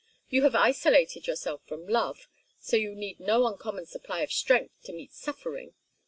You have isolated yourself from love, so you need no uncommon supply of strength to meet suffering.